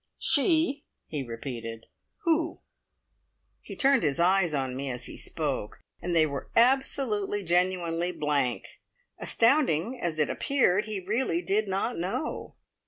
"She?" he repeated. "Who?" He turned his eyes on me as he spoke, and they were absolutely, genuinely blank. Astounding as it appeared, he really did not know.